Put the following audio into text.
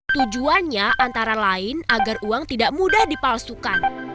tujuannya antara lain agar uang tidak mudah dipalsukan